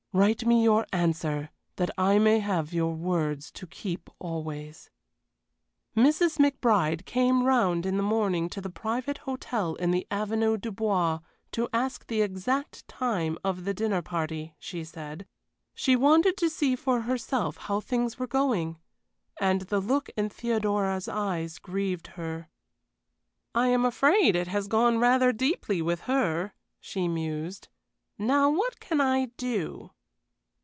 Write me your answer that I may have your words to keep always." Mrs. McBride came round in the morning to the private hotel in the Avenue du Bois, to ask the exact time of the dinner party, she said. She wanted to see for herself how things were going. And the look in Theodora's eyes grieved her. "I am afraid it has gone rather deeply with her," she mused. "Now what can I do?"